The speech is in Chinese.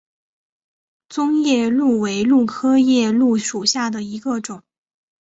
棕夜鹭为鹭科夜鹭属下的一个种。